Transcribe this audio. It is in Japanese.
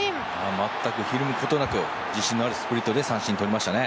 全くひるむことなく自信のあるスプリットで三振をとりましたね。